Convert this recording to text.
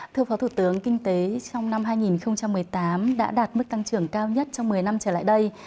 thưa phó thủ tướng kinh tế trong năm hai nghìn một mươi tám đã đạt mức tăng trưởng cao nhất trong một mươi năm trở lại đây